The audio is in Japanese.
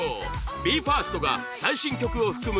ＢＥ：ＦＩＲＳＴが最新曲を含む